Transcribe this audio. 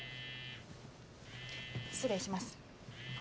失礼します。